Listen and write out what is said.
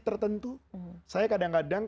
tertentu saya kadang kadang